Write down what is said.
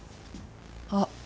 あっ。